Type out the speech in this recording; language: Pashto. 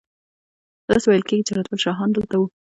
داسې ویل کیږي چې رتبیل شاهان دلته وو